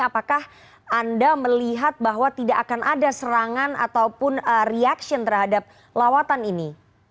apakah anda melihat bahwa tidak akan ada serangan ataupun reaction terhadap lawatan ini